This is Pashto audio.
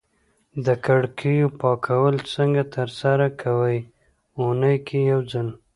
د کړکیو پاکول څنګه ترسره کوی؟ اونۍ کی یوځل